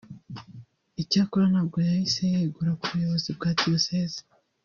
Icyakora ntabwo yahise yegura ku buyobozi bwa Diyosezi